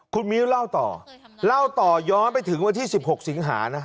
คุณมิ้วเล่าต่อเล่าต่อย้อนไปถึงวันที่๑๖สิงหานะ